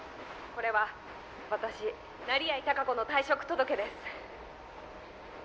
これは私成合隆子の退職届です